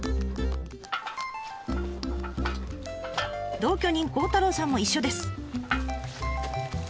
同居人孝太郎さんも一緒です。